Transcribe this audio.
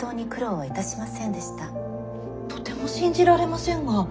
とても信じられませんが。